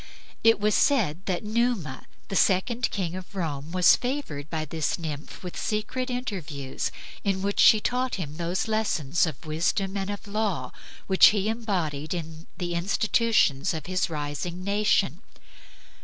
It was said that Numa, the second king of Rome, was favored by this nymph with secret interviews, in which she taught him those lessons of wisdom and of law which he imbodied in the institutions of his rising nation.